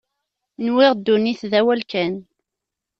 Nwiɣ ddunit d awal kan.